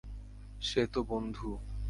সে তো বন্ধু।